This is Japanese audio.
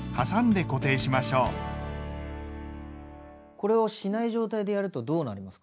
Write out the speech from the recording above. これをしない状態でやるとどうなるんですか？